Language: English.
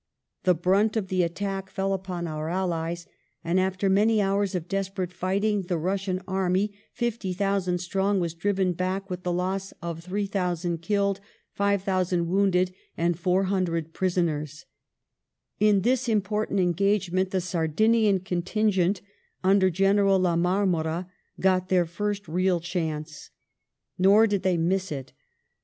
The brunt of the attack fell upon our allies, and after many hours of desperate fight ing, the Russian army, 50,000 strong, was driven back with the loss of 3,000 killed, 5,000 wounded, and 400 prisonei s. In this important engagement the Sai dinian contingent, under General La Marmora, got their fii st real chance. Nor did they miss it.